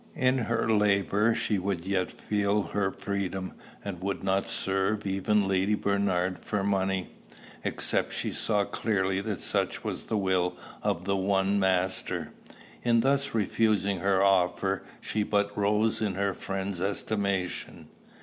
In her labor, she would yet feel her freedom, and would not serve even Lady Bernard for money, except she saw clearly that such was the will of the one Master. In thus refusing her offer, she but rose in her friend's estimation.